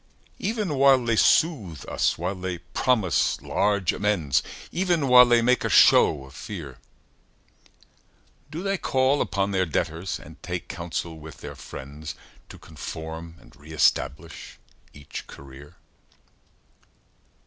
Even while they soothe us, while they promise large amends, Even while they make a show of fear, Do they call upon their debtors, and take counsel with their friends, To conform and re establish each career?